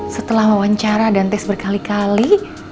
setelah wawancara dan tes berkali kali